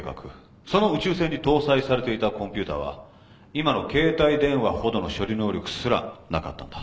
その宇宙船に搭載されていたコンピューターは今の携帯電話ほどの処理能力すらなかったんだ。